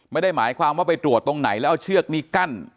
ไม่ได้หมายความว่าไปตรวจตรงไหนแล้วเอาเชือกนี้กั้น